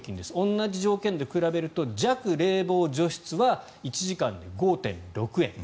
同じ条件で比べると弱冷房除湿は１時間で５．６円。